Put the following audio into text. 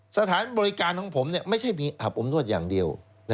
สถานบริการของผมไม่ใช่มีอาบอบนวดอย่างเดียว